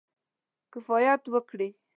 کفایت وکړي.